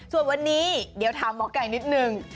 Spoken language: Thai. ส่วนวันนี้เดี๋ยวถามหมอไก่นิดนึง